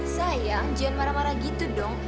sayang jangan marah marah gitu dong